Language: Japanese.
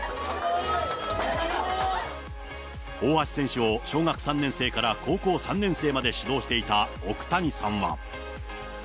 大橋選手を小学３年生から高校３年生まで指導していた奥谷さんは。